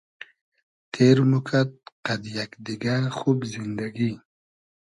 تېر موکئد قئد یئگ دیگۂ خوب زیندئگی